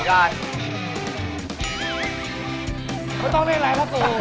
ไม่ต้องเล่นอะไรครับผม